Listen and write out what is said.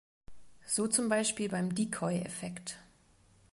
So zum Beispiel beim Decoy-Effekt.